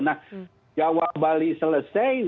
nah jawa bali selesai